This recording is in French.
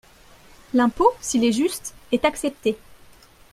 L’impôt, s’il est juste, est accepté.